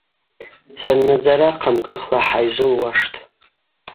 Саннадзара хъамкӏыхла хӏайжвылуаштӏ.